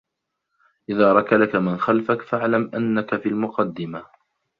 إذا ركلك من خلفك.. فإعلم أنك في المقدمة.